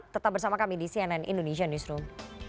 tetap bersama kami di cnn indonesia newsroom